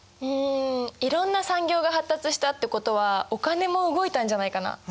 うんいろんな産業が発達したってことはお金も動いたんじゃないかな。